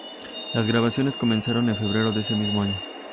Las grabaciones comenzaron en febrero de ese mismo año.